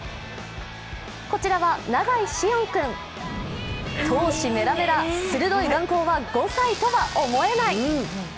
こちらは永井師園君、闘志メラメラ、鋭い眼光は５歳とは思えない。